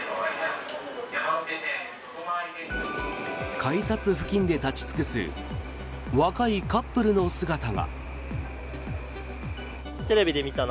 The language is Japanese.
改札付近で立ち尽くす若いカップルの姿が。